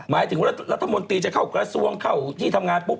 หมายถึงว่ารัฐมนตรีจะเข้ากระทรวงเข้าที่ทำงานปุ๊บ